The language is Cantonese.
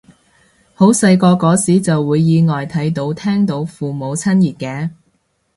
好細個嗰時就會意外睇到聽到父母親熱嘅